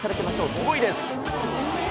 すごいです。